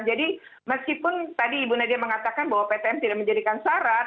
jadi meskipun tadi ibu nadia mengatakan bahwa ptm tidak menjadikan syarat